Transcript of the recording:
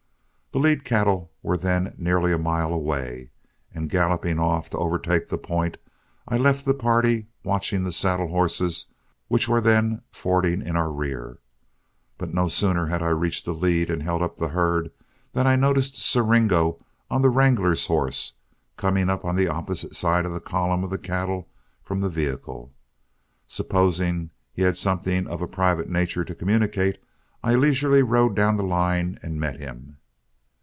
The lead cattle were then nearly a mile away, and galloping off to overtake the point, I left the party watching the saddle horses, which were then fording in our rear. But no sooner had I reached the lead and held up the herd, than I noticed Siringo on the wrangler's horse, coming up on the opposite side of the column of cattle from the vehicle. Supposing he had something of a private nature to communicate, I leisurely rode down the line and met him.